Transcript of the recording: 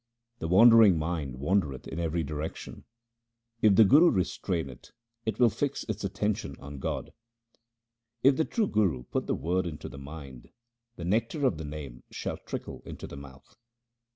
The wandering mind wandereth in every direction ; if the Guru restrain it, it will fix its attention on God. If the true Guru put the Word into the mind, the nectar of the Name shall trickle into the mouth.